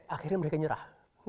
akhirnya mereka nyerah